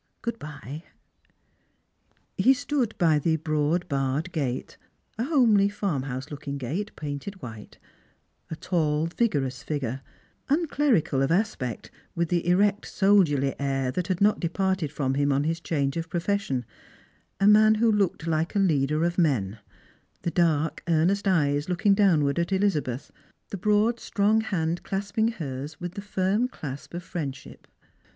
Good bye." He stood by the broad barred gate— a homely farmhouse looking gate, painted white — a tall vigorous figure, unclerical (A 72 Strangers and PiJgrimt. aspect, with the erect soldierly air that had not departed from him on his change of jorofession, a man who looked like a leader of men, the dark earnest eyes looking downward at Elizabeth, the broad strong hand clasping hers with the firm clasp of friendship.